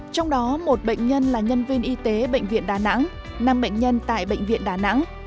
trong đó một bệnh nhân là nhân viên y tế bệnh viện đà nẵng năm bệnh nhân tại bệnh viện đà nẵng